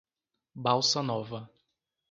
Balsa Nova